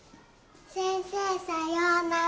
先生さようなら。